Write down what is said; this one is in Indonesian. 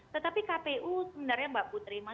tetapi kpu sebenarnya mbak putri